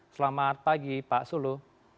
selamat pagi pak sulu